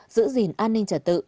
giữ gìn an ninh trật tự